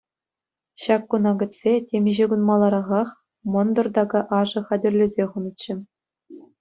Ҫак куна кӗтсе, темиҫе кун маларахах мӑнтӑр така ашӗ хатӗрлесе хунӑччӗ.